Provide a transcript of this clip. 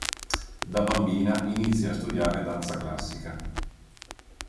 Da bambina inizia a studiare danza classica.